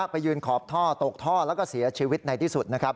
ไปยืนขอบท่อตกท่อแล้วก็เสียชีวิตในที่สุดนะครับ